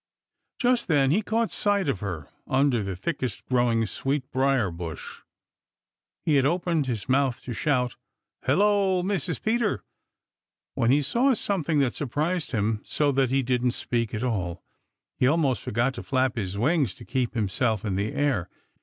Just then he caught sight of her under the thickest growing sweet briar bush. He had opened his mouth to shout, "Hello, Mrs. Peter," when he saw something that surprised him so that he didn't speak at all. He almost forgot to flap his wings to keep himself in the air.